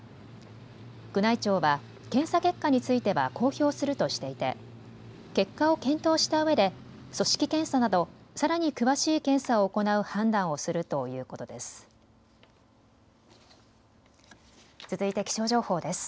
宮内庁は検査結果については公表するとしていて結果を検討したうえで組織検査などさらに詳しい検査を行う判断をするということです。